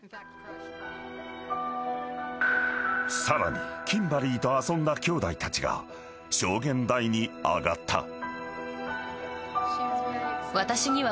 ［さらにキンバリーと遊んだきょうだいたちが証言台に上がった］